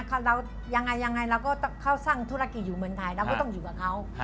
เขายังไงยังไงเราก็เข้าสร้างธุรกิจอยู่เมืองไทยเราก็ต้องอยู่กับเขา